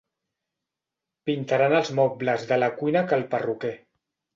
Pintaran els mobles de la cuina a cal perruquer.